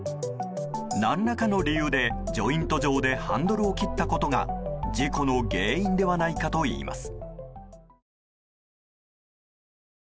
何らかの理由でジョイント上でハンドルを切ったことが事故の原因ではないかといいます。